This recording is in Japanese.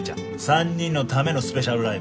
３人のためのスペシャルライブ。